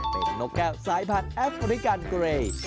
เป็นนกแก้วสายผัดแอฟริกันเกรย์